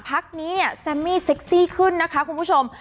พักนี้เนี่ยแซมมี่เซ็กซี่ขึ้นนะคะคุณผู้ชม